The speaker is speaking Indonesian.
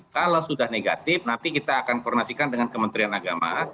kalau sudah negatif nanti kita akan koordinasikan dengan kementerian agama